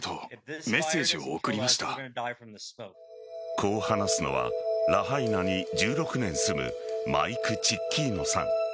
こう話すのはラハイナに１６年住むマイク・チッキーノさん。